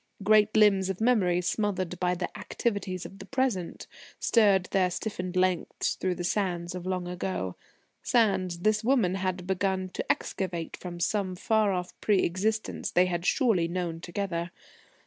Great limbs of memory, smothered by the activities of the Present, stirred their stiffened lengths through the sands of long ago sands this woman had begun to excavate from some far off pre existence they had surely known together.